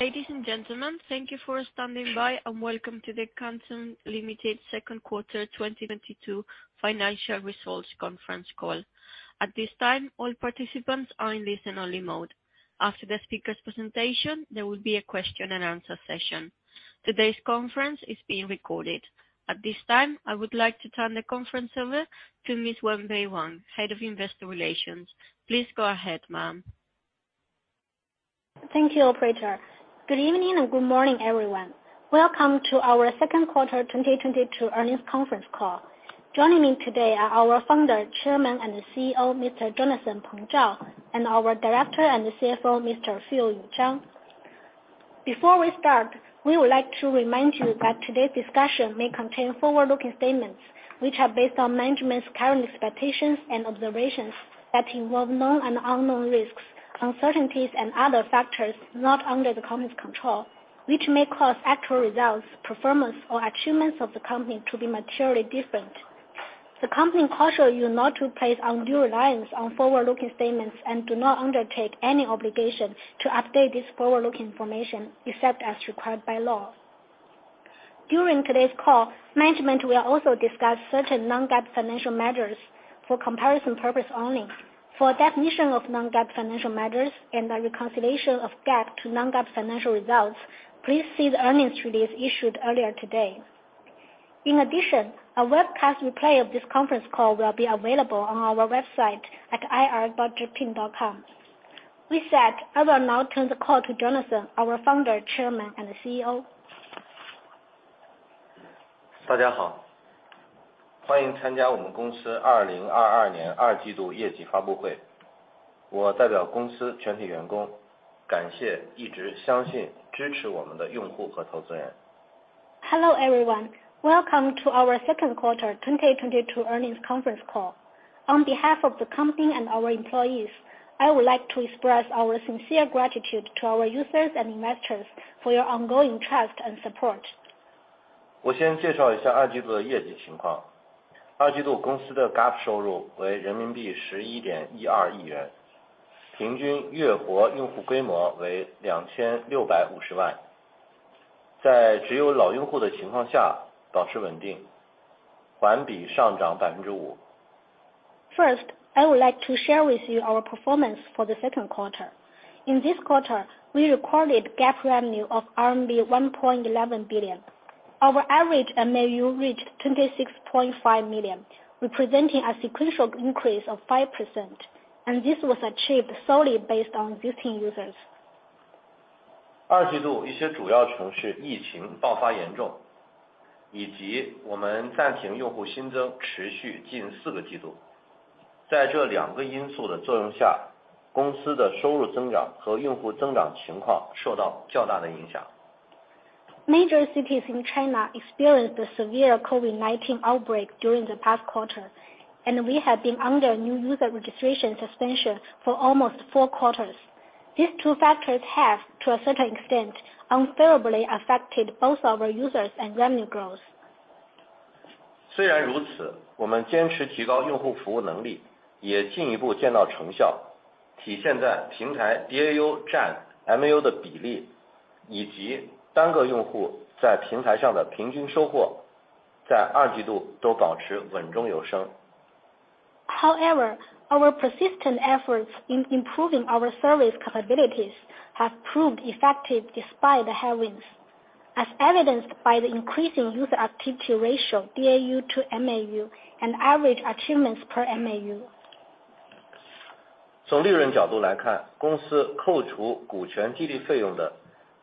Ladies and gentlemen, thank you for standing by, and welcome to the Kanzhun Limited Second Quarter 2022 Financial Results Conference Call. At this time, all participants are in listen-only mode. After the speakers' presentation, there will be a question-and-answer session. Today's conference is being recorded. At this time, I would like to turn the conference over to Miss Wenbei Wang, Head of Investor Relations. Please go ahead, ma'am. Thank you, operator. Good evening and good morning, everyone. Welcome to our Second Quarter 2022 Earnings Conference Call. Joining me today are our Founder, Chairman, and CEO, Mr. Jonathan Peng Zhao, and our Director and CFO, Mr. Phil Yu Zhang. Before we start, we would like to remind you that today's discussion may contain forward-looking statements which are based on management's current expectations and observations that involve known and unknown risks, uncertainties and other factors not under the company's control, which may cause actual results, performance or achievements of the company to be materially different. The company cautions you not to place undue reliance on forward-looking statements and do not undertake any obligation to update this forward-looking information, except as required by law. During today's call, management will also discuss certain non-GAAP financial measures for comparison purpose only. For a definition of non-GAAP financial measures and a reconciliation of GAAP to non-GAAP financial results, please see the earnings release issued earlier today. In addition, a webcast replay of this conference call will be available on our website at ir.zhipin.com. That said, I will now turn the call to Jonathan, our Founder, Chairman and CEO. Hello, everyone. Welcome to our Second Quarter 2022 Earnings Conference Call. On behalf of the company and our employees, I would like to express our sincere gratitude to our users and investors for your ongoing trust and support. First, I would like to share with you our performance for the second quarter. In this quarter, we recorded GAAP revenue of RMB 1.11 billion. Our average MAU reached 26.5 million, representing a sequential increase of 5%, and this was achieved solely based on existing users. Major cities in China experienced a severe COVID-19 outbreak during the past quarter, and we have been under new user registration suspension for almost four quarters. These two factors have, to a certain extent, unfavorably affected both our users and revenue growth. However,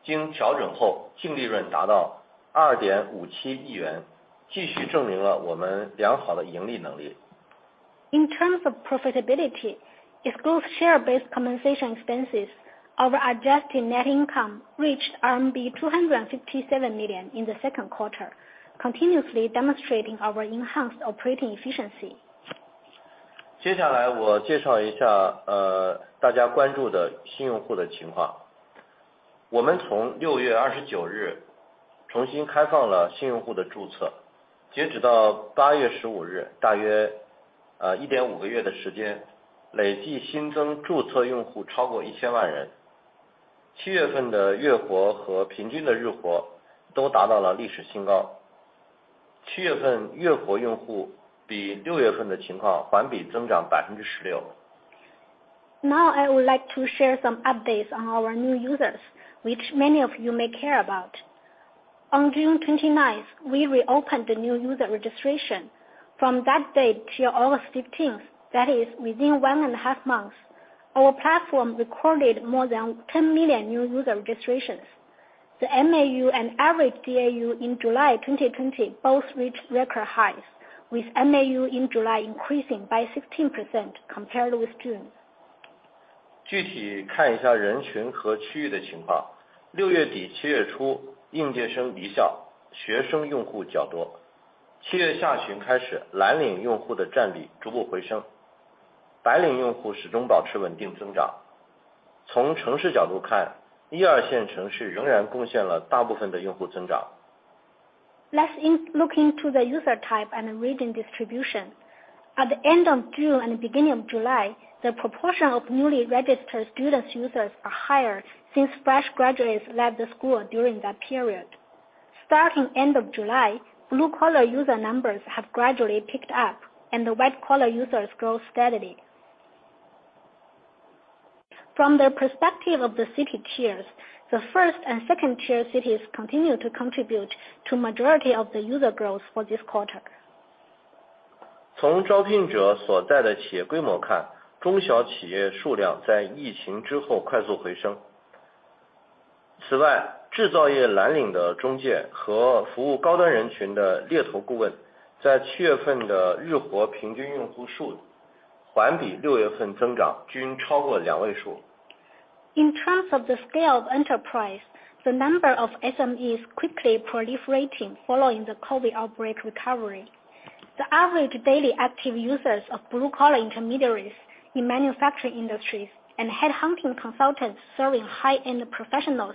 our persistent efforts in improving our service capabilities have proved effective despite the headwinds, as evidenced by the increasing user activity ratio, DAU to MAU, and average achievements per MAU. In terms of profitability, excluding share-based compensation expenses. Our adjusted net income reached RMB 257 million in the second quarter, continuously demonstrating our enhanced operating efficiency. Let's look into the user type and region distribution. At the end of June and beginning of July, the proportion of newly registered student users are higher since fresh graduates left the school during that period. Starting end of July, blue-collar user numbers have gradually picked up, and the white-collar users grow steadily. From the perspective of the city tiers, the first and second tier cities continue to contribute to majority of the user growth for this quarter. 从招聘者所在的企业规模看，中小企业数量在疫情之后快速回升。此外，制造业蓝领的中介和服务高端人群的猎头顾问，在七月份的日活平均用户数，环比六月份增长均超过两位数。In terms of the scale of enterprise, the number of SMEs quickly proliferating following the COVID-19 outbreak recovery. The average daily active users of blue collar intermediaries in manufacturing industries and headhunting consultants serving high-end professionals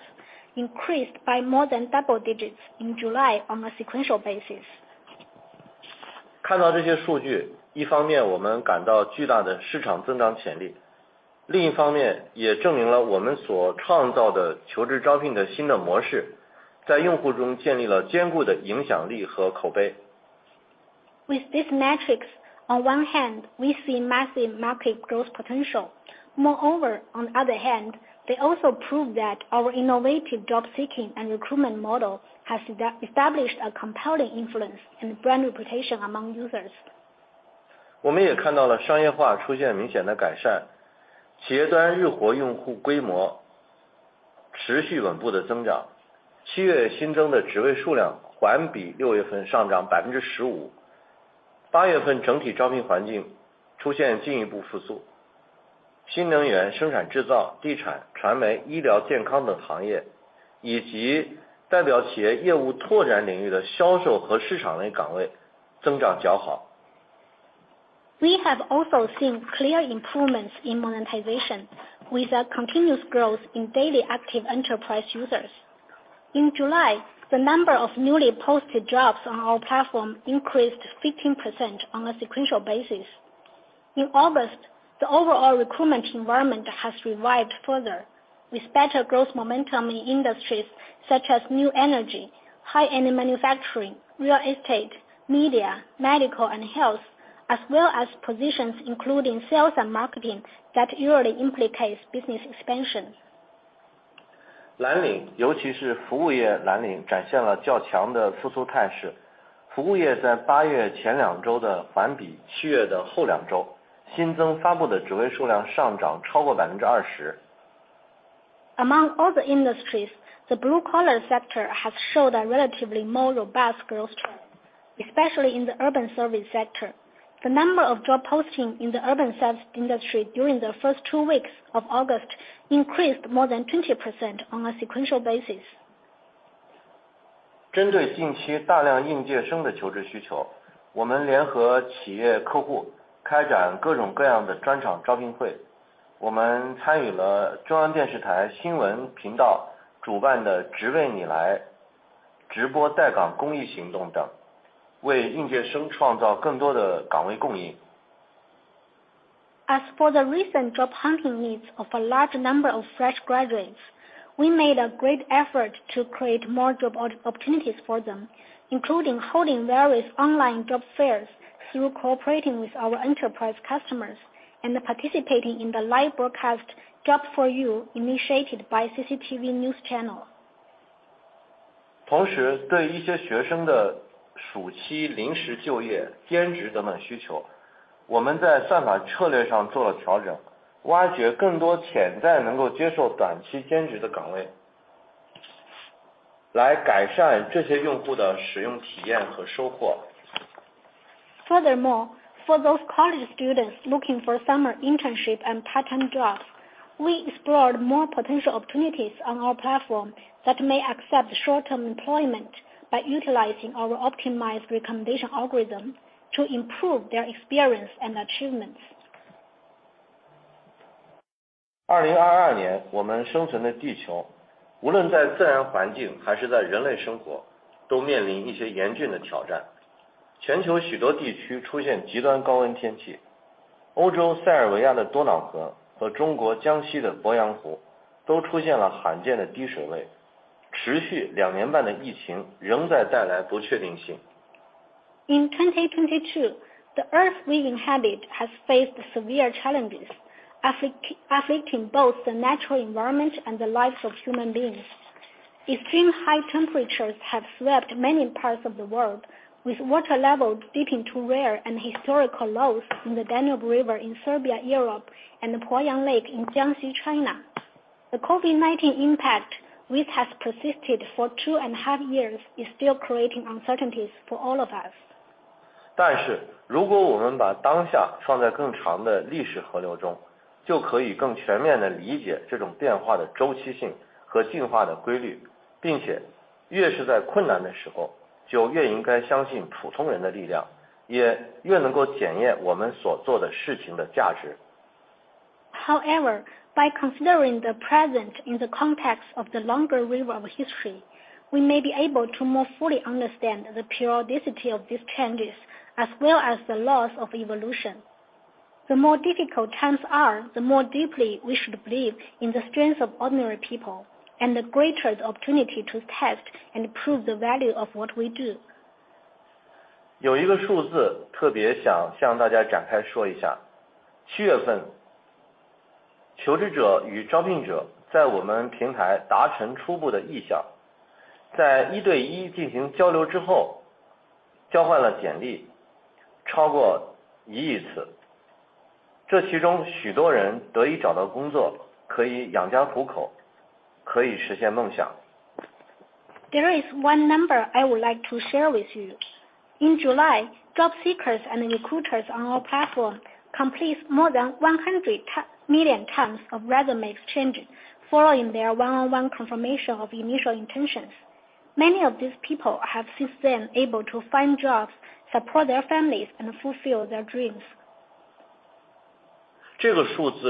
increased by more than double digits in July on a sequential basis. 看到这些数据，一方面我们感到巨大的市场增长潜力，另一方面也证明了我们所创造的求职招聘的新的模式，在用户中建立了坚固的影响力和口碑。With these metrics, on one hand, we see massive market growth potential. Moreover, on the other hand, they also prove that our innovative job seeking and recruitment model has established a compelling influence and brand reputation among users. 我们也看到了商业化出现明显的改善，企业端日活用户规模持续稳步的增长。七月新增的职位数量环比六月份上涨15%。八月份整体招聘环境出现进一步复苏，新能源、生产制造、地产、传媒、医疗健康等行业，以及代表企业业务拓展领域的销售和市场类岗位增长较好。We have also seen clear improvements in monetization, with a continuous growth in daily active enterprise users. In July, the number of newly posted jobs on our platform increased 15% on a sequential basis. In August, the overall recruitment environment has revived further, with better growth momentum in industries such as new energy, high-end manufacturing, real estate, media, medical and health, as well as positions including sales and marketing that usually implies business expansion. 蓝领，尤其是服务业蓝领展现了较强的复苏态势。服务业在八月前两周的环比七月的后两周，新增发布的职位数量上涨超过20%。Among all the industries, the blue-collar sector has shown a relatively more robust growth trend, especially in the urban service sector. The number of job postings in the urban service industry during the first two weeks of August increased more than 20% on a sequential basis. 针对近期大量应届生的求职需求，我们联合企业客户开展各种各样的专场招聘会。我们参与了中央电视台新闻频道主办的《职位你来》直播带岗公益行动等，为应届生创造更多的岗位供应。As for the recent job hunting needs of a large number of fresh graduates, we made a great effort to create more job opportunities for them, including holding various online job fairs through cooperating with our enterprise customers and participating in the live broadcast "Job for You" initiated by CCTV News channel. 同时，对一些学生的暑期临时就业、兼职等等需求，我们在算法策略上做了调整，挖掘更多潜在能够接受短期兼职的岗位，来改善这些用户的使用体验和收获。Furthermore, for those college students looking for summer internship and part-time jobs, we explored more potential opportunities on our platform that may accept short-term employment by utilizing our optimized recommendation algorithm to improve their experience and achievements. 2022年，我们生存的地球，无论在自然环境还是在人类生活，都面临一些严峻的挑战。全球许多地区出现极端高温天气，欧洲塞尔维亚的多瑙河和中国江西的鄱阳湖都出现了罕见的低水位。持续两年半的疫情仍在带来不确定性。In 2022, the earth we inhabit has faced severe challenges, afflicting both the natural environment and the lives of human beings. Extreme high temperatures have swept many parts of the world, with water levels dipping to rare and historical lows in the Danube River in Serbia, Europe, and the Poyang Lake in Jiangxi, China. The COVID-19 impact, which has persisted for 2.5 years, is still creating uncertainties for all of us. 但是，如果我们把当下放在更长的历史河流中，就可以更全面地理解这种变化的周期性和进化的规律。并且越是在困难的时候，就越应该相信普通人的力量，也越能够检验我们所做的事情的价值。However, by considering the present in the context of the longer river of history, we may be able to more fully understand the periodicity of these changes as well as the laws of evolution. The more difficult times are, the more deeply we should believe in the strength of ordinary people and the greater the opportunity to test and prove the value of what we do. There is one number I would like to share with you. In July, job seekers and recruiters on our platform completes more than 110 million times of resume exchanging following their one-on-one confirmation of initial intentions. Many of these people have since been able to find jobs, support their families, and fulfill their dreams. These achievements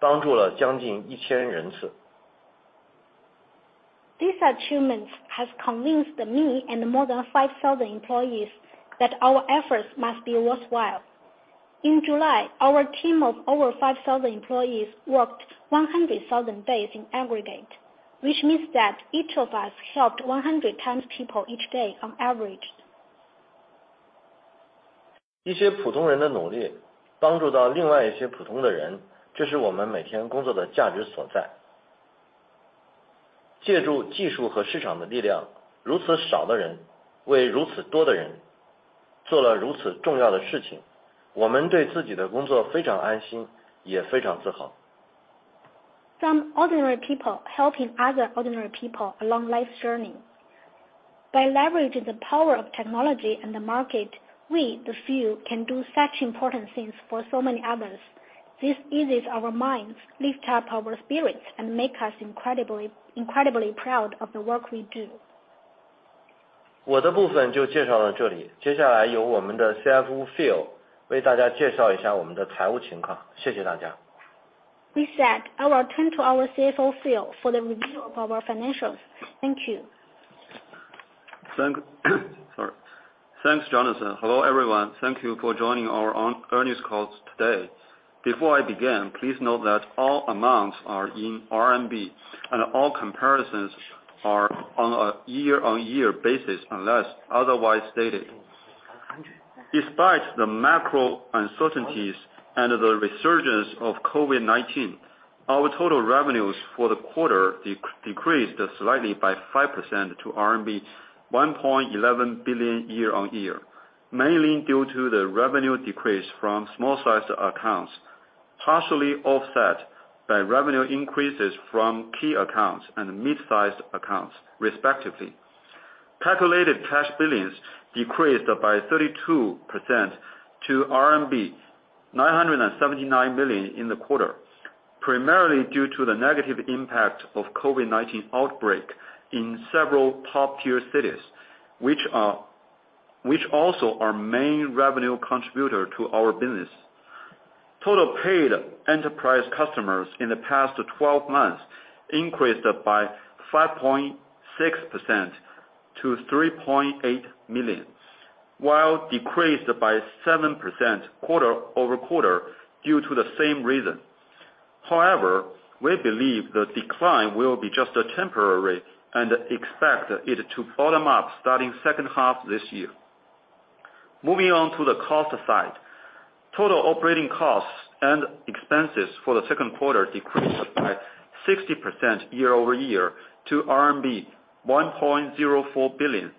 has convinced me and more than 5,000 employees that our efforts must be worthwhile. In July, our team of over 5,000 employees worked 100,000 days in aggregate, which means that each of us helped 100 people each day on average. Some ordinary people helping other ordinary people along life's journey. By leveraging the power of technology and the market, we, the few, can do such important things for so many others. This eases our minds, lifts up our spirits, and make us incredibly proud of the work we do. With that, I will turn to our CFO, Phil, for the review of our financials. Thank you. Thanks, sorry. Thanks, Jonathan. Hello, everyone. Thank you for joining our earnings calls today. Before I begin, please note that all amounts are in RMB and all comparisons are on a year-on-year basis unless otherwise stated. Despite the macro uncertainties and the resurgence of COVID-19, our total revenues for the quarter decreased slightly by 5% to RMB 1.11 billion year-on-year, mainly due to the revenue decrease from small-sized accounts, partially offset by revenue increases from key accounts and mid-sized accounts, respectively. Calculated cash billings decreased by 32% to RMB 979 million in the quarter, primarily due to the negative impact of COVID-19 outbreak in several top-tier cities, which also are main revenue contributor to our business. Total paid enterprise customers in the past 12 months increased by 5.6% to 3.8 million, while decreased by 7% quarter-over-quarter due to the same reason. However, we believe the decline will be just temporary and expect it to bottom out starting second half this year. Moving on to the cost side. Total operating costs and expenses for the second quarter decreased by 60% year-over-year to RMB 1.04 billion.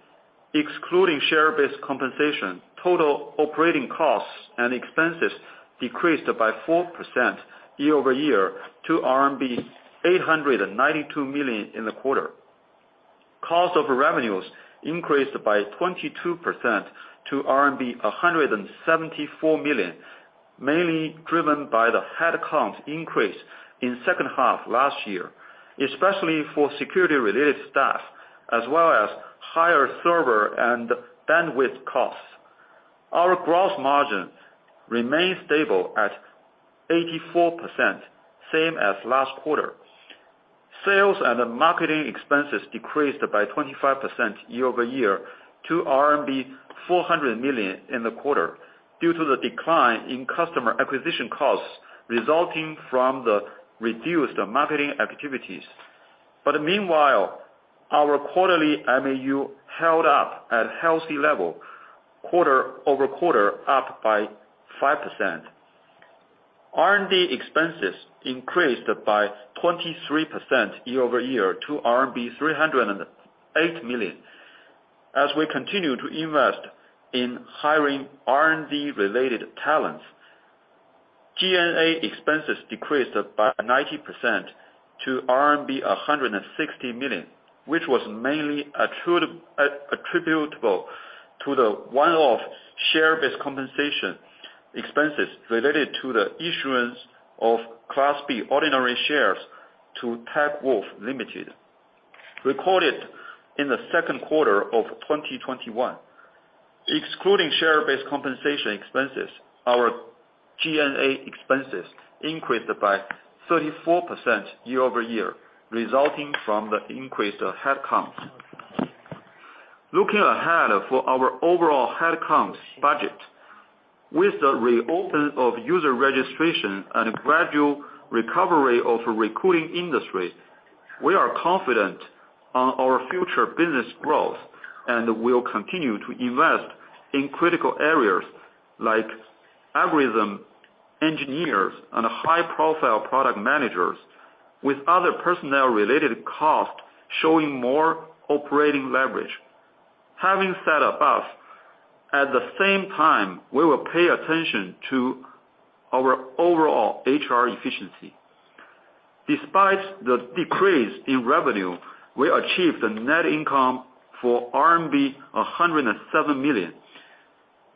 Excluding share-based compensation, total operating costs and expenses decreased by 4% year-over-year to RMB 892 million in the quarter. Cost of revenues increased by 22% to RMB 174 million, mainly driven by the head count increase in second half last year, especially for security related staff, as well as higher server and bandwidth costs. Our gross margin remained stable at 84%, same as last quarter. Sales and marketing expenses decreased by 25% year-over-year to RMB 400 million in the quarter due to the decline in customer acquisition costs resulting from the reduced marketing activities. Meanwhile, our quarterly MAU held up at healthy level, quarter-over-quarter, up by 5%. R&D expenses increased by 23% year-over-year to RMB 308 million as we continue to invest in hiring R&D related talents. G&A expenses decreased by 90% to RMB 160 million, which was mainly attributable to the one-off share-based compensation expenses related to the issuance of class B ordinary shares to Techwolf Limited, recorded in the second quarter of 2021. Excluding share-based compensation expenses, our G&A expenses increased by 34% year-over-year, resulting from the increase of headcounts. Looking ahead for our overall headcounts budget. With the re-open of user registration and a gradual recovery of recruiting industry, we are confident on our future business growth and we'll continue to invest in critical areas like algorithm, engineers, and high-profile product managers, with other personnel related costs showing more operating leverage. Having said above, at the same time, we will pay attention to our overall HR efficiency. Despite the decrease in revenue, we achieved a net income for RMB 107 million,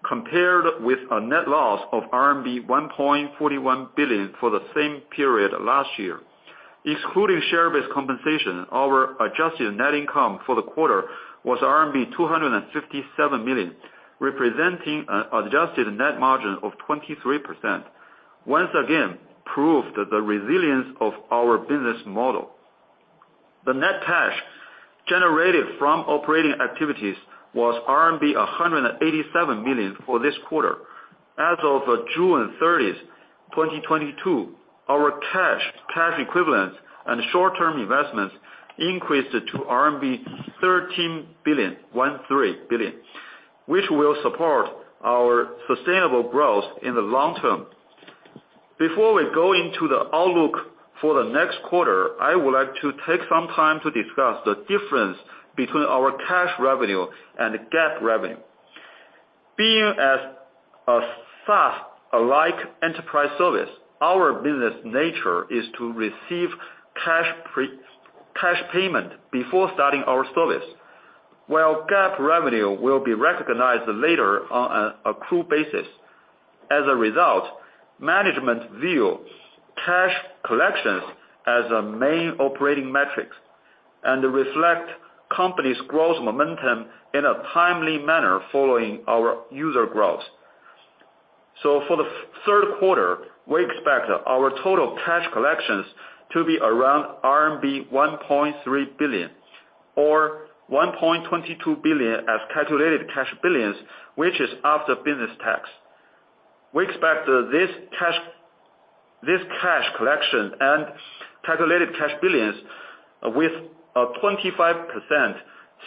compared with a net loss of RMB 1.41 billion for the same period last year. Excluding share-based compensation, our adjusted net income for the quarter was RMB 257 million, representing an adjusted net margin of 23%. Once again proved the resilience of our business model. The net cash generated from operating activities was RMB 187 million for this quarter. As of June 30th, 2022, our cash equivalents and short-term investments increased to 13 billion, which will support our sustainable growth in the long term. Before we go into the outlook for the next quarter, I would like to take some time to discuss the difference between our cash revenue and GAAP revenue. Being as a SaaS-alike enterprise service, our business nature is to receive cash payment before starting our service. While GAAP revenue will be recognized later on an accrued basis. As a result, management view cash collections as a main operating metrics, and reflect company's growth momentum in a timely manner following our user growth. For the third quarter, we expect our total cash collections to be around RMB 1.3 billion or 1.22 billion as calculated cash billings, which is after business tax. We expect this cash collection and calculated cash billings with a 25%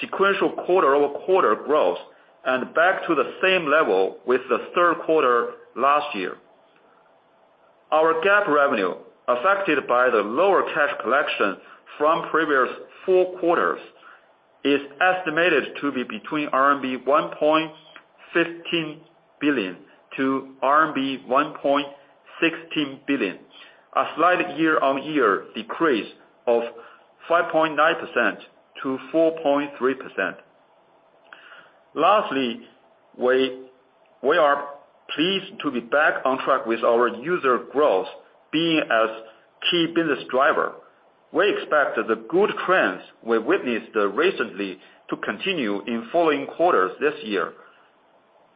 sequential quarter-over-quarter growth and back to the same level with the third quarter last year. Our GAAP revenue, affected by the lower cash collection from previous four quarters, is estimated to be between RMB 1.15 billion and RMB 1.16 billion, a slight year-on-year decrease of 5.9% to 4.3%. Lastly, we are pleased to be back on track with our user growth being a key business driver. We expect the good trends we witnessed recently to continue in following quarters this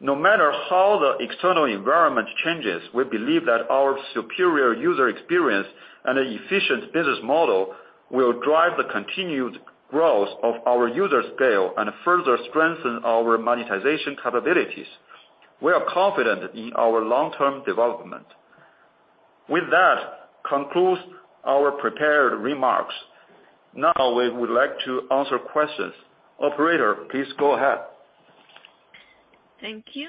year. No matter how the external environment changes, we believe that our superior user experience and efficient business model will drive the continued growth of our user scale and further strengthen our monetization capabilities. We are confident in our long-term development. With that concludes our prepared remarks. Now, we would like to answer questions. Operator, please go ahead. Thank you.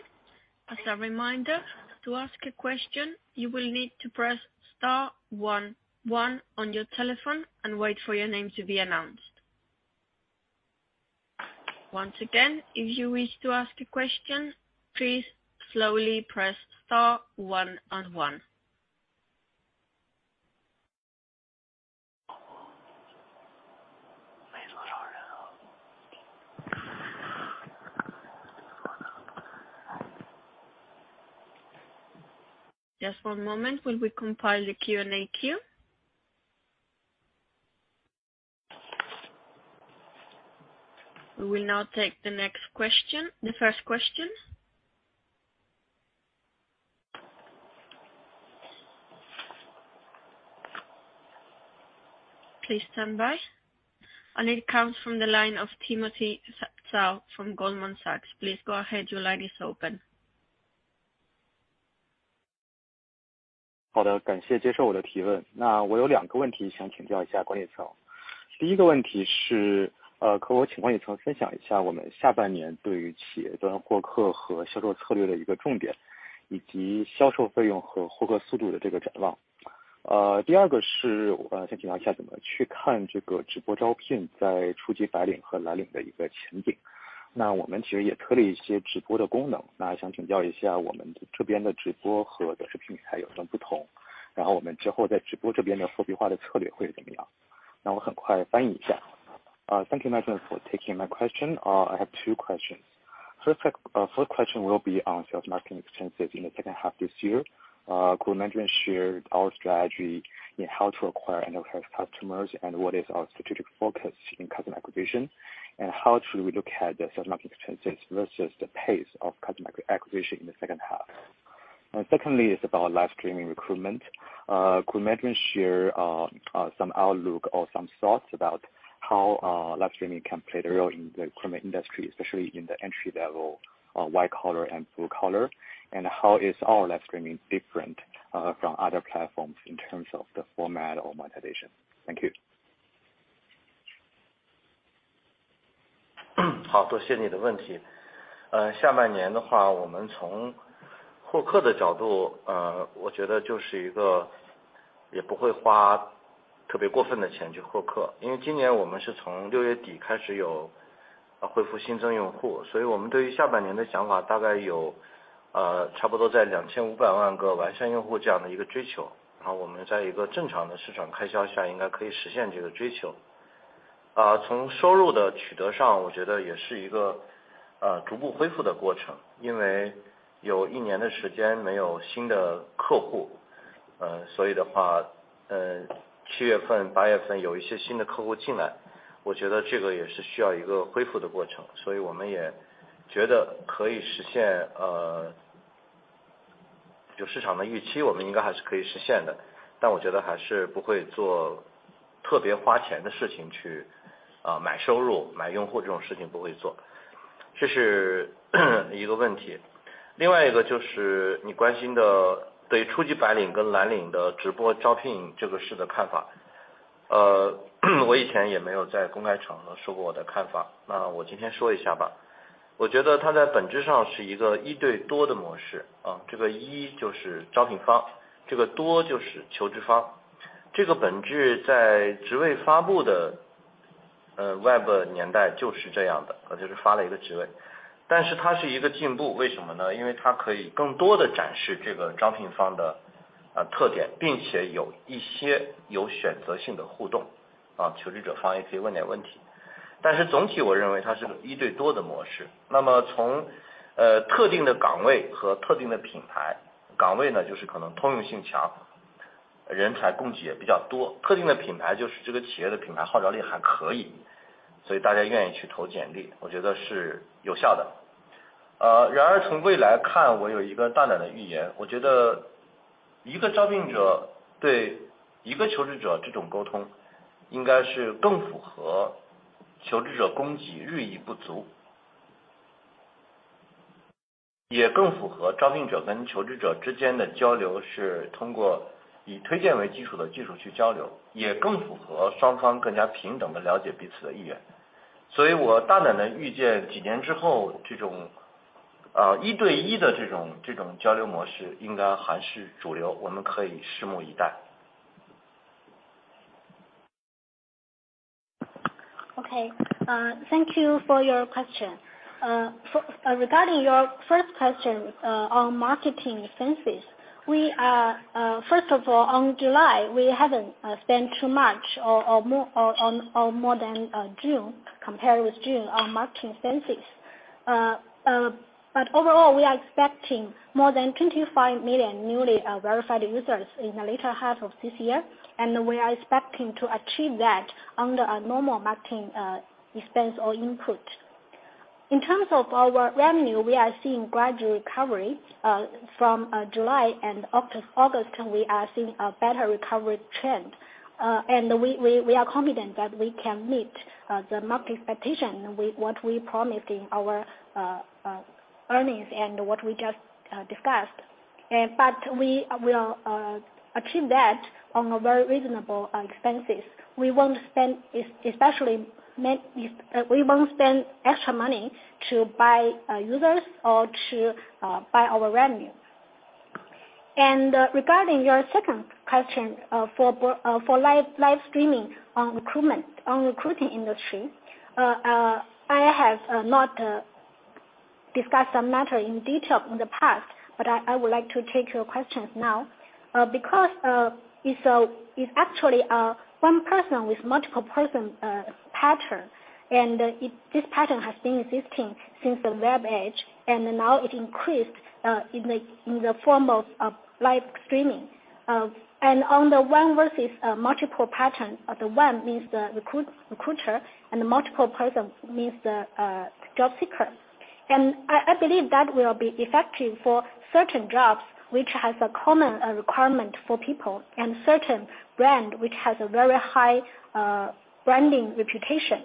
As a reminder, to ask a question, you will need to press star one one on your telephone and wait for your name to be announced. Once again, if you wish to ask a question, please slowly press star one and one. Just one moment, while we compile the Q&A queue. We will now take the next question. The first question. Please stand by. It comes from the line of Timothy Zhao from Goldman Sachs. Please go ahead. Your line is open. Thank you very much for taking my question. I have two questions. First question will be on sales marketing expenses in the second half this year. Could management share our strategy in how to acquire and retain customers and what is our strategic focus in customer acquisition and how should we look at the sales marketing expenses versus the pace of customer acquisition in the second half? Secondly is about live streaming recruitment. Could management share some outlook or some thoughts about how live streaming can play the role in the recruitment industry, especially in the entry level white collar and blue collar? How is our live streaming different, from other platforms in terms of the format or monetization? Thank you. Okay, thank you for your question. Regarding your first question, on marketing expenses, we are, first of all, in July, we haven't spent too much, or more than June compared with June on marketing expenses. But overall we are expecting more than 25 million newly verified users in the later half of this year, and we are expecting to achieve that under a normal marketing expense or input. In terms of our revenue, we are seeing gradual recovery from July and August, we are seeing a better recovery trend. We are confident that we can meet the market expectation with what we promised in our earnings and what we just discussed. But we will achieve that on a very reasonable expenses. We won't spend extra money to buy users or to buy our revenue. Regarding your second question, for live streaming on recruitment, on recruiting industry, I have not discuss the matter in detail in the past, but I would like to take your questions now. Because it's actually one person with multiple person pattern, and this pattern has been existing since the web age, and now it increased in the form of live streaming. On the one versus multiple pattern, the one means the recruiter, and the multiple person means the job seeker. I believe that will be effective for certain jobs which has a common requirement for people and certain brand which has a very high branding reputation.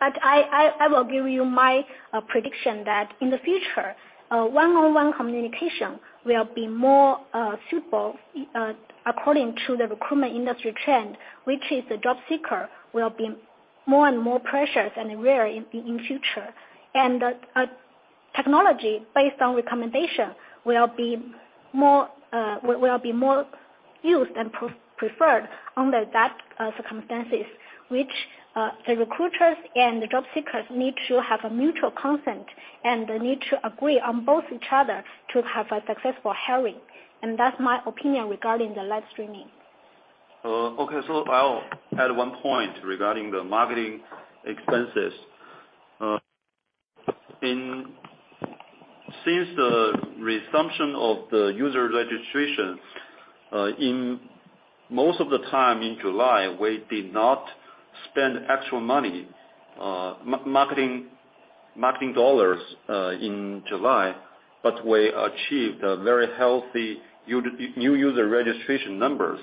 I will give you my prediction that in the future, one on one communication will be more suitable according to the recruitment industry trend, which is the job seeker will be more and more precious and rare in future. Technology based on recommendation will be more used and preferred under that circumstances which the recruiters and the job seekers need to have a mutual consent, and they need to agree on both each other to have a successful hiring. That's my opinion regarding the live streaming. I'll add one point regarding the marketing expenses. Since the resumption of the user registration, in most of the time in July, we did not spend actual money, marketing dollars, in July, but we achieved a very healthy new user registration numbers,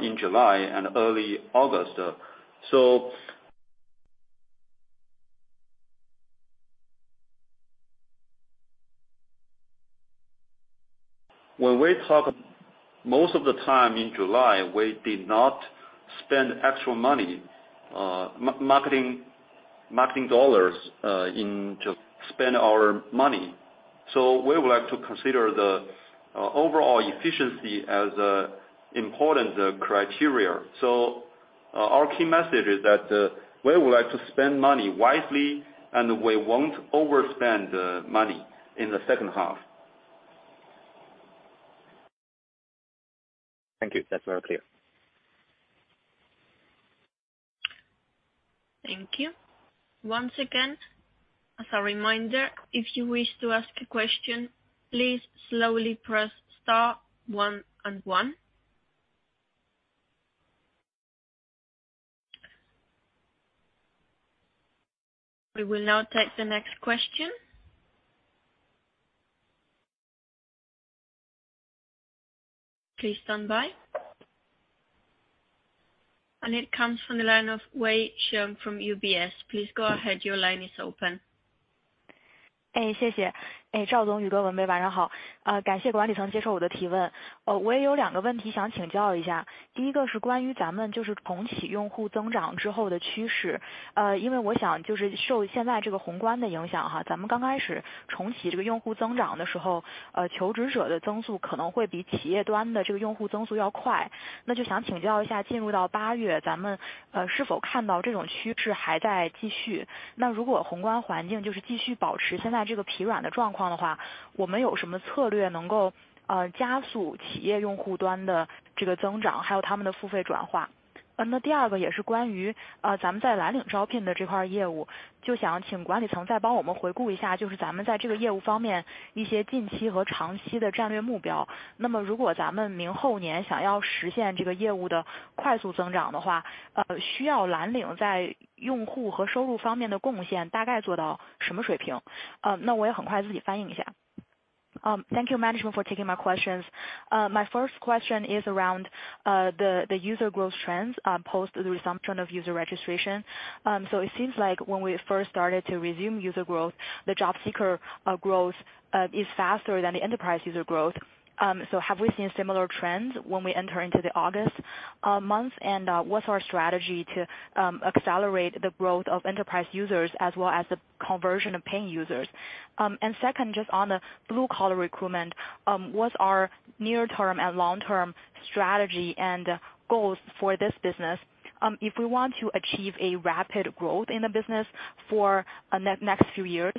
in July and early August. When we talk most of the time in July, we did not spend actual money, marketing dollars, intended to spend our money. We would like to consider the overall efficiency as an important criteria. Our key message is that we would like to spend money wisely, and we won't overspend money in the second half. Thank you. That's very clear. Thank you. Once again, as a reminder, if you wish to ask a question, please slowly press star one and one. We will now take the next question. Please stand by. It comes from the line of Wei Xiong from UBS. Please go ahead. Your line is open. Thank you management for taking my questions. My first question is around the user growth trends post the resumption of user registration. So it seems like when we first started to resume user growth, the job seeker growth is faster than the enterprise user growth. Have we seen similar trends when we enter into the August month? What's our strategy to accelerate the growth of enterprise users as well as the conversion of paying users? Second, just on the blue-collar recruitment, what are near-term and long-term strategy and goals for this business? If we want to achieve a rapid growth in the business for the next few years,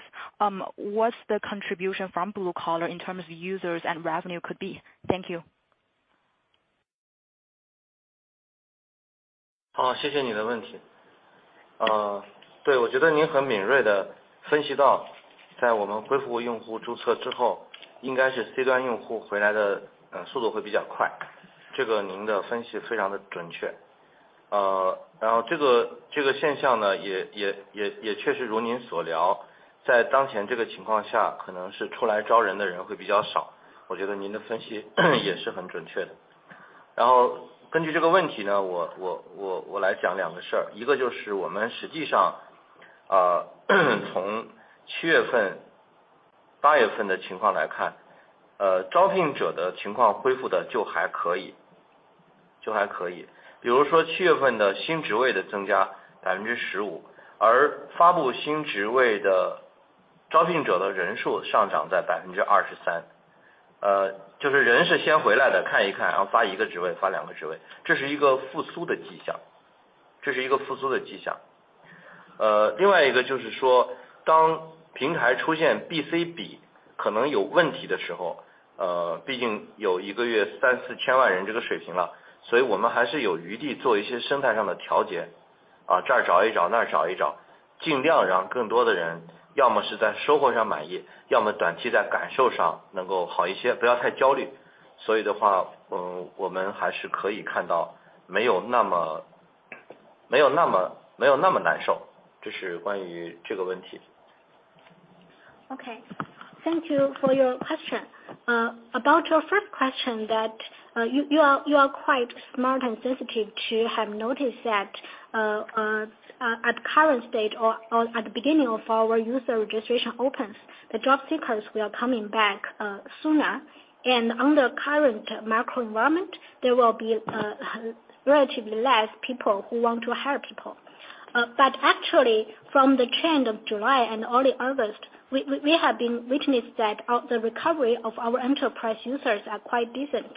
what's the contribution from blue collar in terms of users and revenue could be? Thank you. Okay, thank you for your question. About your first question that you are quite smart and sensitive to have noticed that at current state or at the beginning of our user registration opens, the job seekers were coming back sooner. Under current macro environment, there will be relatively less people who want to hire people. Actually from the trend of July and early August, we have witnessed that the recovery of our enterprise users are quite decent.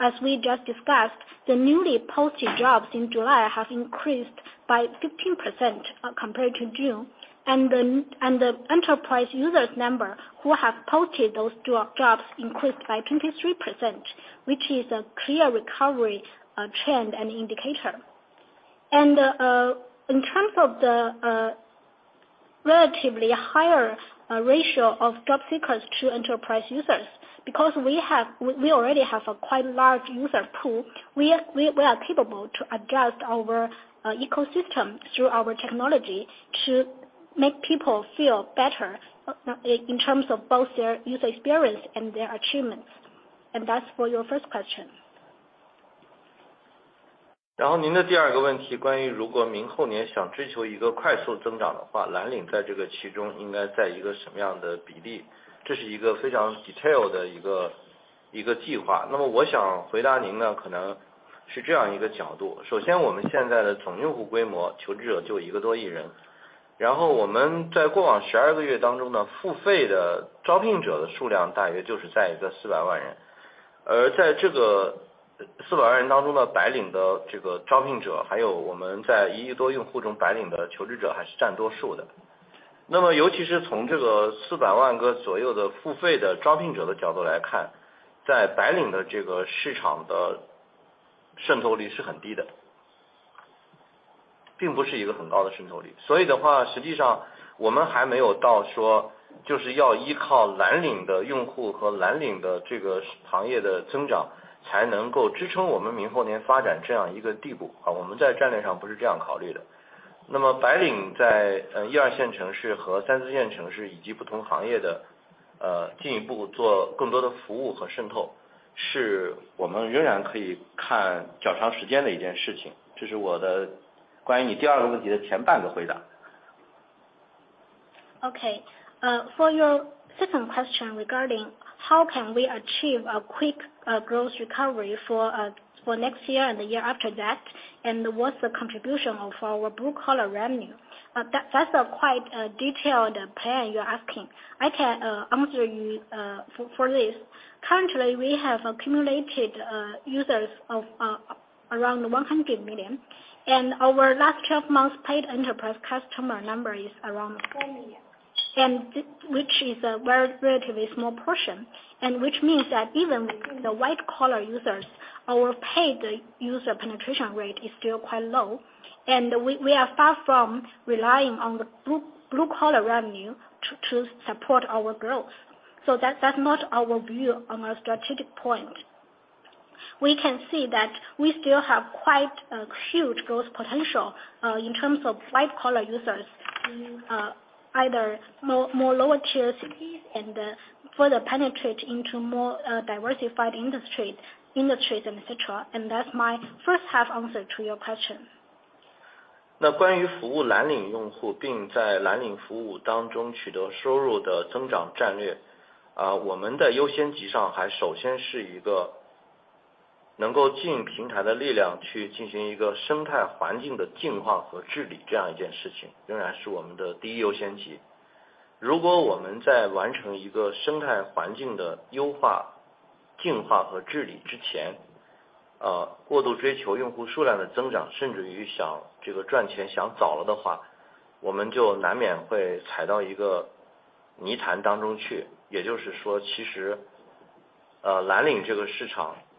As we just discussed, the newly posted jobs in July have increased by 15%, compared to June. The enterprise users number who have posted those jobs increased by 23%, which is a clear recovery trend and indicator. In terms of the relatively higher ratio of job seekers to enterprise users, because we already have a quite large user pool, we are capable to adjust our ecosystem through our technology to make people feel better in terms of both their user experience and their achievements. That's for your first question. Okay. For your second question regarding how can we achieve a quick growth recovery for next year and the year after that, and what's the contribution of our blue-collar revenue? That's a quite detailed plan you're asking. I can answer you for this. Currently, we have accumulated users of around 100 million, and our last twelve months paid enterprise customer number is around 10 million, and which is a very relatively small portion, and which means that even the white-collar users, our paid user penetration rate is still quite low, and we are far from relying on the blue-collar revenue to support our growth. That's not our view on our strategic point. We can see that we still have quite a huge growth potential in terms of white-collar users, either more lower-tier cities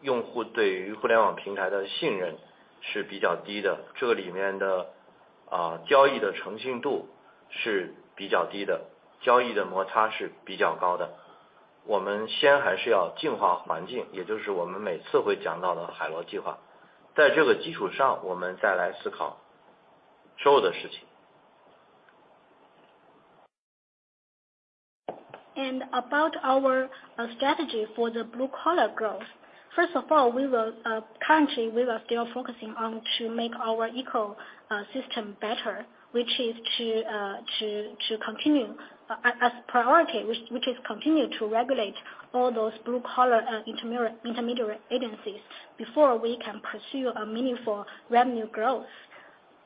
and further penetrate into more diversified industries and et cetera. That's my first half answer to your question. 关于服务蓝领用户并在蓝领服务当中取得收入的增长战略，我们的优先级上还首先是一个能够尽平台的力量去进行一个生态环境的净化和治理这样一件事情，仍然是我们的第一优先级。如果我们在完成一个生态环境的优化、净化和治理之前，过度追求用户数量的增长，甚至于想这个赚钱想早了的话，我们就难免会踩到一个泥潭当中去。也就是说，其实，蓝领这个市场用户对于互联网平台的信任是比较低的，这里面的交易的诚信度是比较低的，交易的摩擦是比较高的。我们先还是要净化环境，也就是我们每次会讲到的海螺计划。在这个基础上，我们再来思考收入的事情。About our strategy for the blue-collar growth. First of all, currently we are still focusing on to make our ecosystem better, which is to continue as priority, which is to continue to regulate all those blue-collar intermediary agencies before we can pursue a meaningful revenue growth.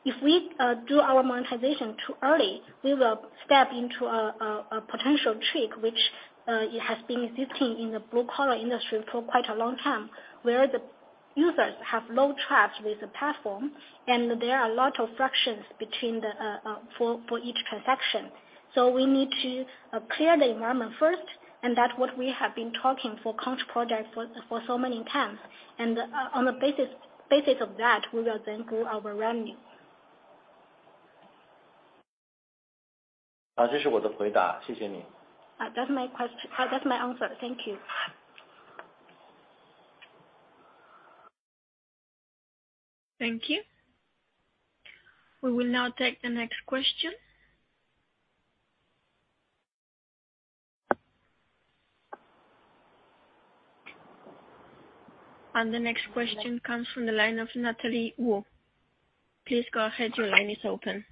If we do our monetization too early, we will step into a potential trap which has been existing in the blue-collar industry for quite a long time, where the users have low trust with the platform, and there are a lot of frictions for each transaction. We need to clear the environment first, and that's what we have been talking about the Conch Project so many times on the basis of that, we will then grow our revenue. 好，这是我的回答。谢谢你。That's my answer. Thank you. Thank you. We will now take the next question. The next question comes from the line of Natalie Wu. Please go ahead. Your line is open.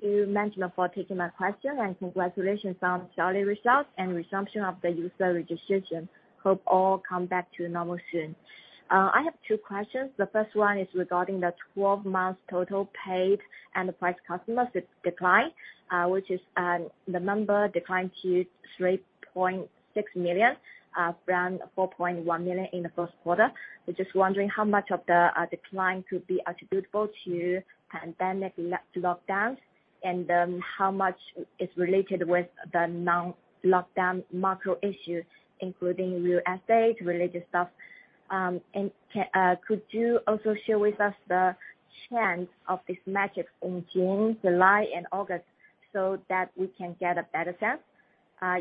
To management for taking my question, and congratulations on quarterly results and resumption of the user registration. Hope all come back to normal soon. I have two questions. The first one is regarding the 12 months total paid enterprise customers decline, which is, the number declined to 3.6 million from 4.1 million in the first quarter. We just wondering how much of the decline could be attributable to pandemic lockdown, and how much is related with the non-lockdown macro issues, including real estate related stuff. Could you also share with us the change of this metric in June, July and August so that we can get a better sense?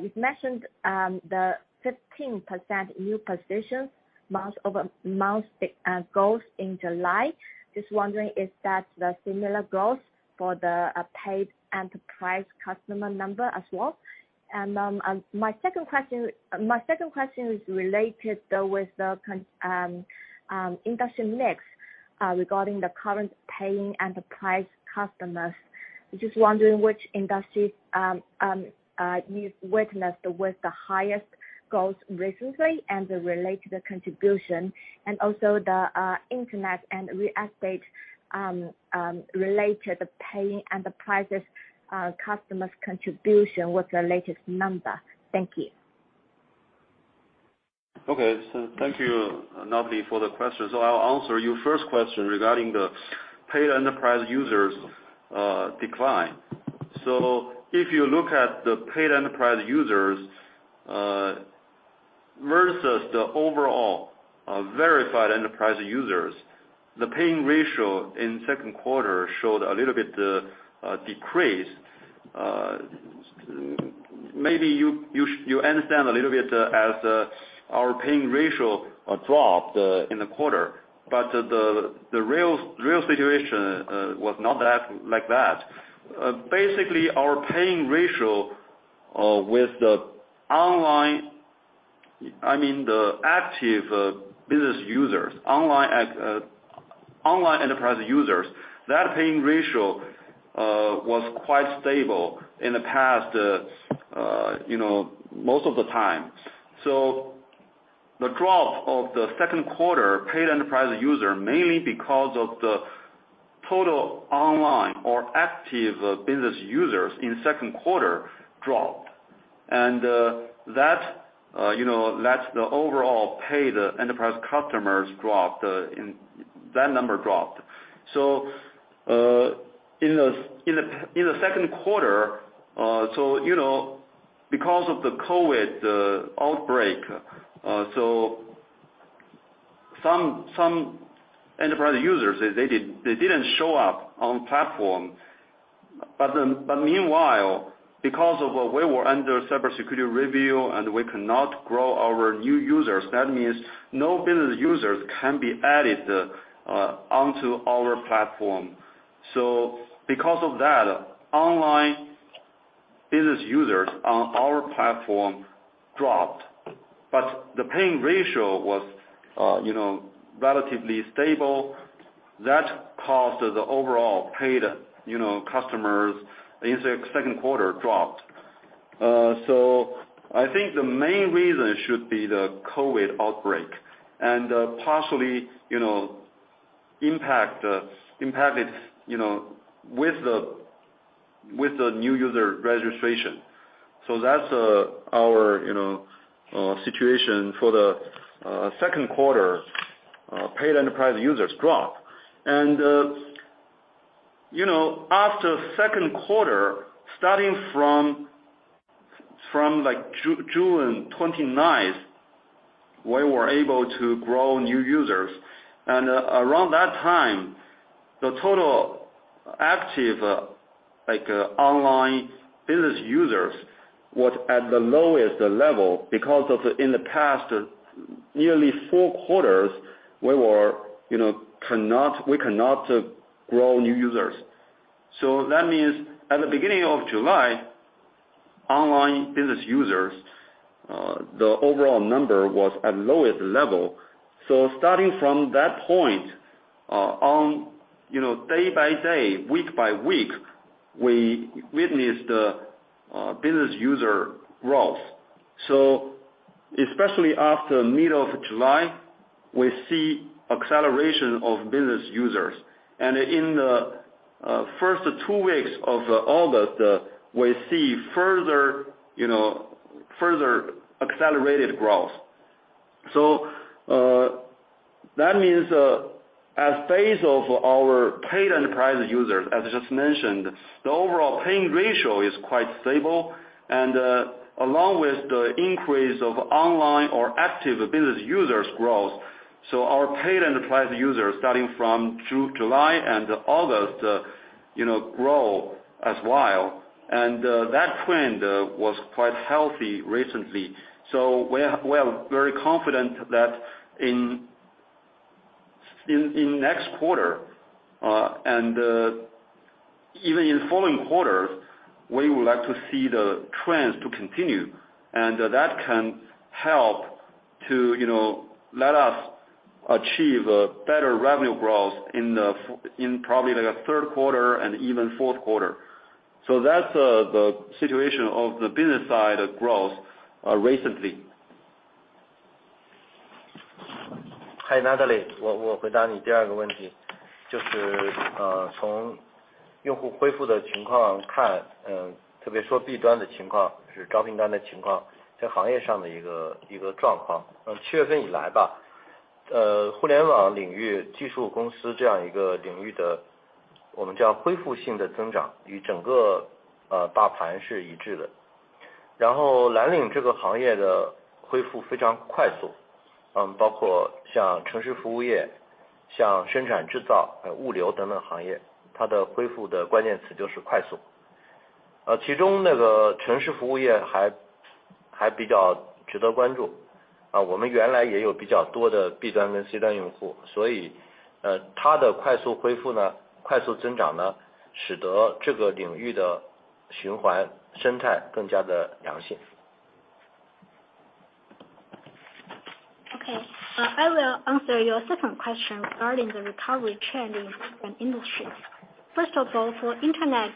You've mentioned the 15% new positions month-over-month growth in July. Just wondering is that the similar growth for the paid enterprise customer number as well? My second question is related with the industry mix, regarding the current paying enterprise customers. We're just wondering which industries you've witnessed with the highest growth recently and the related contribution, and also the internet and real estate related paying enterprises' customers contribution, what's the latest number? Thank you. Okay, thank you, Natalie Wu, for the question. I'll answer your first question regarding the paid enterprise users decline. If you look at the paid enterprise users versus the overall verified enterprise users, the paying ratio in second quarter showed a little bit decrease. Maybe you understand a little bit as our paying ratio dropped in the quarter, but the real situation was not that like that. Basically our paying ratio with the online I mean the active business users, online enterprise users, that paying ratio was quite stable in the past, you know, most of the time. The drop of the second quarter paid enterprise user mainly because of the total online or active business users in second quarter dropped. That you know that's the overall paid enterprise customers dropped, that number dropped. In the second quarter, you know, because of the COVID outbreak, some enterprise users, they didn't show up on platform. But meanwhile, because of we were under cyber security review and we cannot grow our new users, that means no business users can be added onto our platform. Because of that, online business users on our platform dropped, but the paying ratio was you know relatively stable. That caused the overall paid you know customers in second quarter dropped. I think the main reason should be the COVID outbreak, and partially you know impacted with the new user registration. That's our you know situation for the second quarter paid enterprise users drop. After second quarter, starting from like June 29th, we were able to grow new users and around that time the total active like online business users was at the lowest level because in the past nearly four quarters we were, you know, we cannot grow new users. That means at the beginning of July, online business users the overall number was at lowest level. Starting from that point on, you know, day by day, week by week, we witnessed business user growth. Especially after middle of July, we see acceleration of business users and in the first two weeks of August, we see further accelerated growth. That means as base of our paid enterprise users, as I just mentioned, the overall paying ratio is quite stable and along with the increase of online or active business users growth. Our paid enterprise users starting from July and August, you know grow as well, and that trend was quite healthy recently. We are very confident that in next quarter and even in following quarters, we would like to see the trends to continue and that can help to you know let us achieve a better revenue growth in the probably like the third quarter and even fourth quarter. That's the situation of the business side growth recently. Hi, Natalie。我回答你第二个问题，就是从用户恢复的情况看，特别说B端的情况，是招聘端的情况，在行业上的一个状况。七月份以来，互联网领域技术公司这样一个领域的我们叫恢复性的增长，与整个大盘是一致的。然后蓝领这个行业的恢复非常快速，包括像城市服务业，像生产制造、物流等等行业，它的恢复的关键词就是快速。其中那个城市服务业还比较值得关注，我们原来也有比较多的B端跟C端用户，所以它的快速恢复、快速增长，使得这个领域的循环生态更加的良性。Okay. I will answer your second question regarding the recovery trend in different industries. First of all, for Internet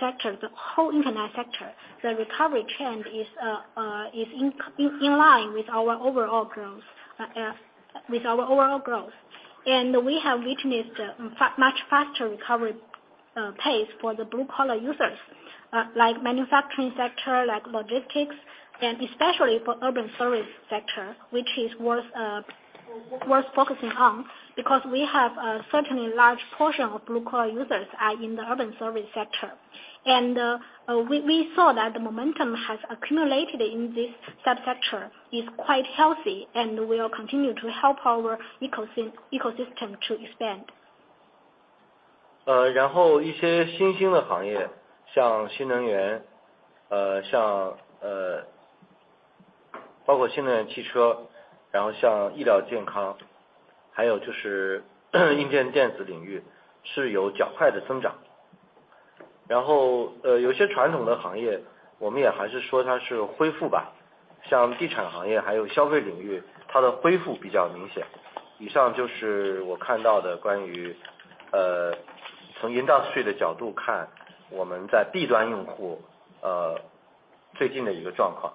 sector, the whole Internet sector, the recovery trend is in line with our overall growth with our overall growth. We have witnessed much faster recovery pace for the blue collar users like manufacturing sector, like logistics, and especially for urban service sector, which is worth focusing on because we have a certain large portion of blue collar users are in the urban service sector, and we saw that the momentum has accumulated in this subsector is quite healthy and will continue to help our ecosystem to expand. industry 的角度看，我们在 B 端用户，最近的一个状况。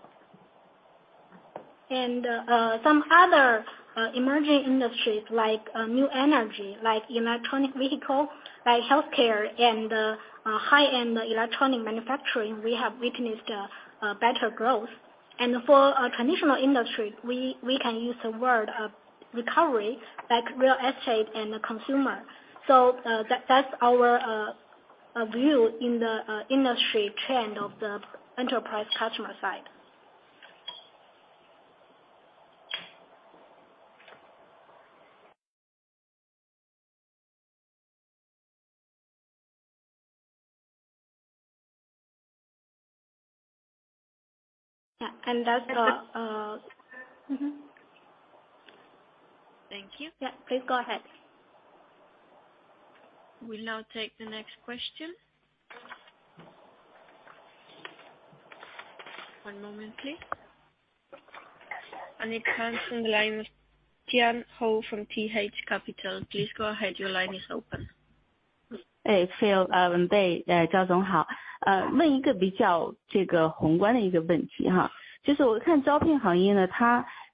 Some other emerging industries like new energy, like electric vehicle, like healthcare and high-end electronic manufacturing, we have witnessed a better growth. For a traditional industry, we can use the word recovery like real estate and consumer. That's our view in the industry trend of the enterprise customer side. Yeah. That's all. Thank you. Yeah. Please go ahead. We'll now take the next question. One moment please. And it comes from the line, Tian Hou from TH Capital. Please go ahead. Your line is open.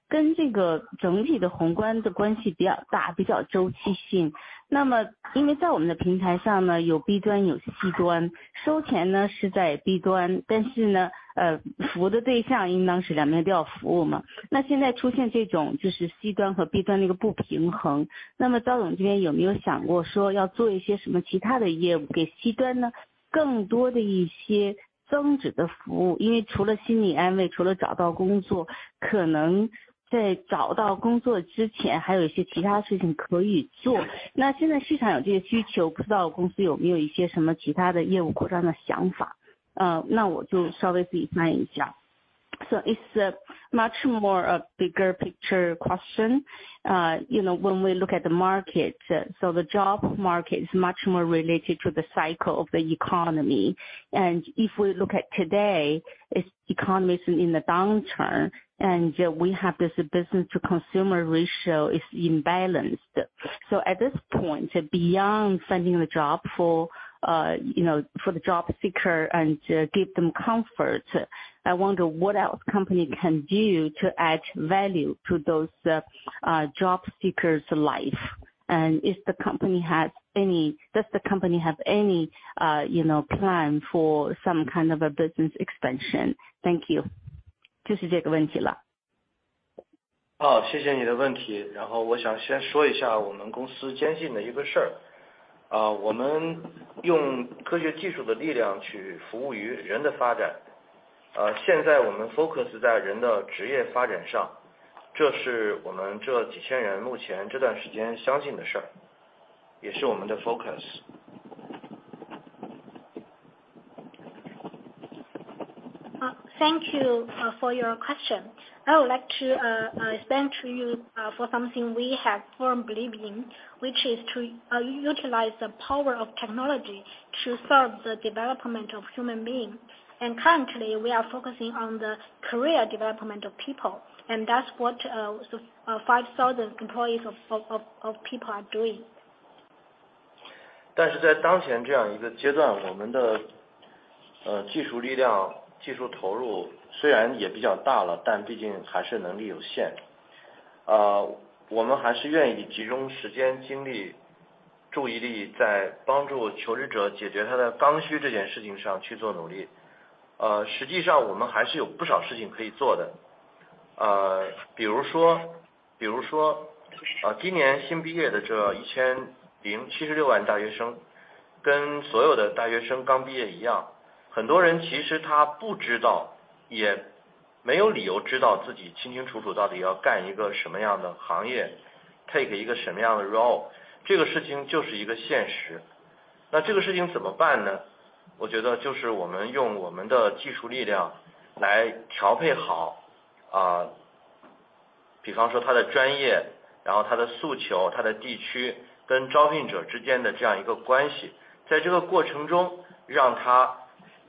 Phil、文蓓、赵总好。问一个比较宏观的问题。其实我看招聘行业，它跟整体的宏观的关系比较大，比较周期性。那么因为在我们的平台上，有B端，有C端，收钱呢是在B端，但是服务的对象应当是两边都要服务嘛，那现在出现这种就是C端和B端的一个不平衡。那么赵总这边有没有想过说要做一些什么其他的业务，给C端更多的一些增值的服务。因为除了心理安慰，除了找到工作，可能在找到工作之前还有一些其他事情可以做。那现在市场有这些需求，不知道公司有没有一些什么其他的业务扩张的想法，那我就稍微自己插言一下。It's a much bigger picture question. You know, when we look at the market, the job market is much more related to the cycle of the economy. If we look at today, it's economy is in the downturn and we have this business-to-consumer ratio is imbalanced. At this point, beyond finding a job for, you know, for the job seeker and to give them comfort, I wonder what else company can do to add value to those, job seeker's life. Does the company have any, you know, plan for some kind of a business expansion? Thank you. Thank you for your question. I would like to explain to you for something we have firm belief in, which is to utilize the power of technology to serve the development of human being. Currently, we are focusing on the career development of people, and that's what 5,000 employees of People are doing.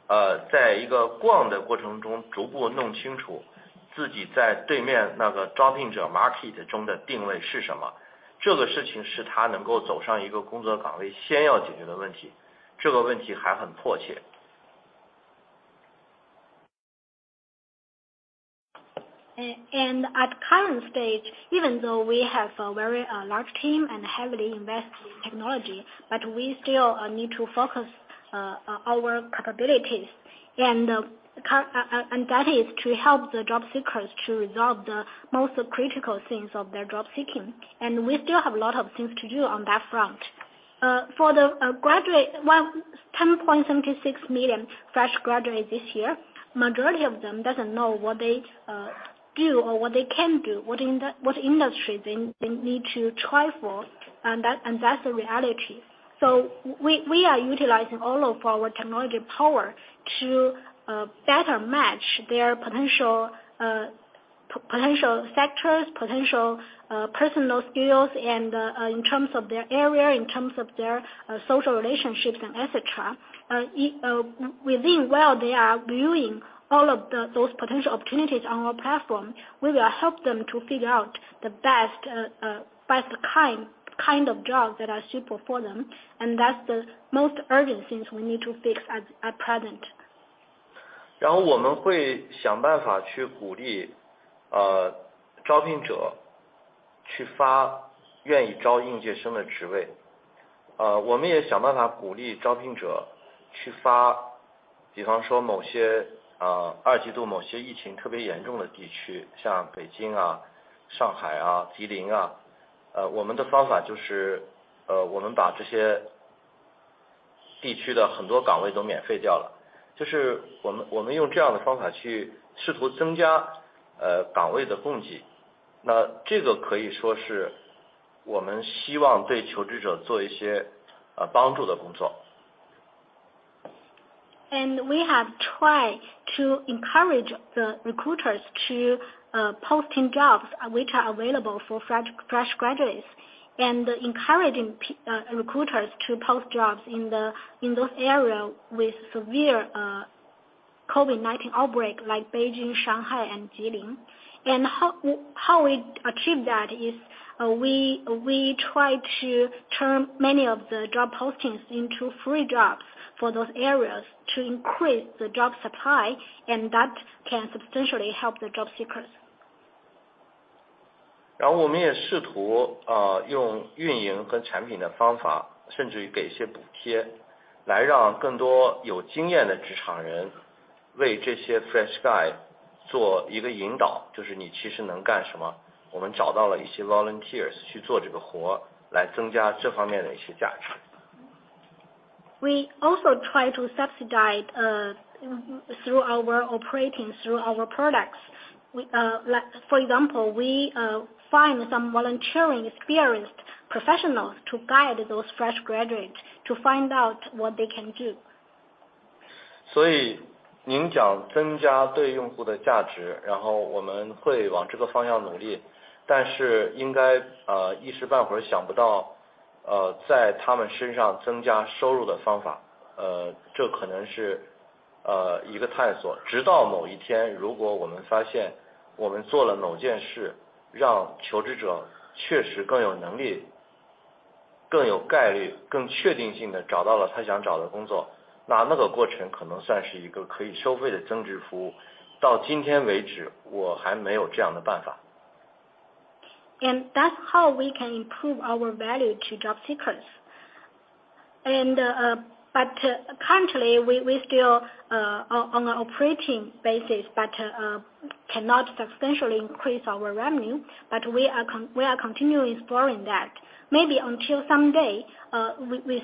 At current stage, even though we have a very large team and heavily invest in technology, we still need to focus our capabilities, and that is to help the job seekers to resolve the most critical things of their job seeking. We still have a lot of things to do on that front. For the 10.76 million fresh graduates this year, majority of them doesn't know what they do or what they can do, what industry they need to try for. That's the reality. We are utilizing all of our technology power to better match their potential potential sectors, potential personal skills and in terms of their area, in terms of their social relationships and et cetera. While they are viewing those potential opportunities on our platform, we will help them to figure out the best kind of jobs that are suitable for them, and that's the most urgent things we need to fix at present. We have tried to encourage the recruiters to posting jobs which are available for fresh graduates. Encouraging recruiters to post jobs in those areas with severe COVID-19 outbreak, like Beijing, Shanghai and Jilin. How we achieve that is, we try to turn many of the job postings into free jobs for those areas to increase the job supply, and that can substantially help the job seekers. 然后我们也试图用运营和产品的方法，甚至于给一些补贴，来让更多有经验的职场人为这些 fresh guy 做一个引导，就是你其实能干什么。我们找到了一些 volunteers 去做这个活，来增加这方面的一些价值。We also try to subsidize, through our operating, through our products. We like for example, we find some volunteering experienced professionals to guide those fresh graduates to find out what they can do. That's how we can improve our value to job seekers. But currently we still on operating basis, but cannot substantially increase our revenue. We are continually exploring that. Maybe until someday, we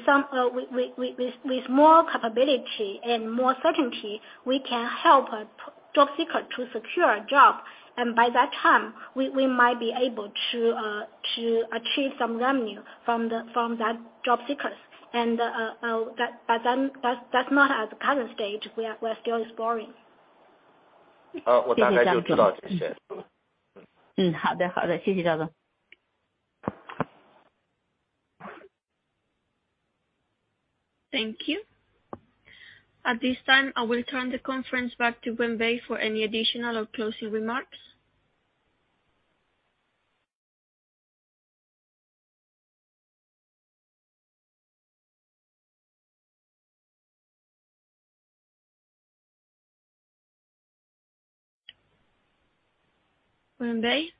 with more capability and more certainty, we can help a job seeker to secure a job. By that time we might be able to achieve some revenue from that job seekers and that. That's not at the current stage. We're still exploring. Thank you. At this time, I will turn the conference back to Wenbei for any additional or closing remarks. Wenbei?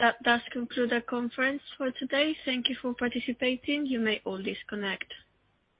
That does conclude our conference for today. Thank you for participating. You may all disconnect.